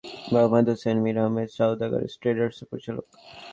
ইবনাত ট্রেডার্সের মালিক মীর মোহাম্মদ হোসাইন মীর আহমেদ সওদাগর ট্রেডার্সেরও পরিচালক।